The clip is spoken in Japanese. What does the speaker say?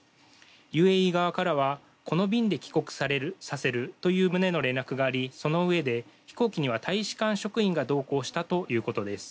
ＵＡＥ側からは、この便で帰国させるという旨の連絡がありそのうえで、飛行機には大使館職員が同行したということです。